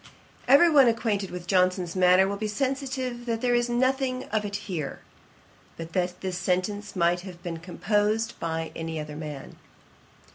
Every one acquainted with Johnson's manner will be sensible that there is nothing of it here; but that this sentence might have been composed by any other man.